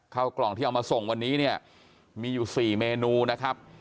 ข้าวกล่องที่เอามาส่งวันนี้เนี่ยมีอยู่๔เมนูนะครับ